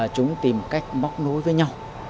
chúng tìm cách bóc nối với nhau